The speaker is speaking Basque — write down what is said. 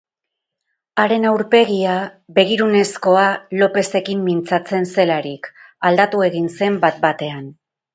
Haren aurpegia, begirunezkoa Lopezekin mintzatzen zelarik, aldatu egin zen bat-batean.